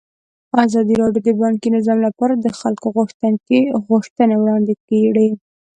ازادي راډیو د بانکي نظام لپاره د خلکو غوښتنې وړاندې کړي.